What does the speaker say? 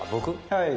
はい。